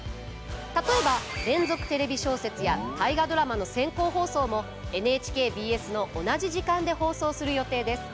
例えば「連続テレビ小説」や「大河ドラマ」の先行放送もＮＨＫＢＳの同じ時間で放送する予定です。